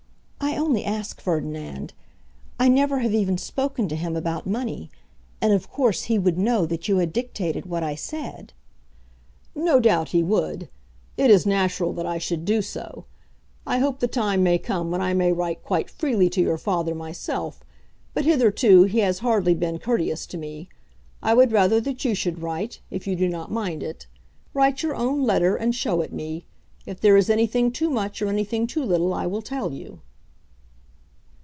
I only ask, Ferdinand. I never have even spoken to him about money, and of course he would know that you had dictated what I said." "No doubt he would. It is natural that I should do so. I hope the time may come when I may write quite freely to your father myself, but hitherto he has hardly been courteous to me. I would rather that you should write, if you do not mind it. Write your own letter, and show it me. If there is anything too much or anything too little I will tell you."